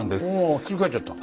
ひっくり返っちゃった。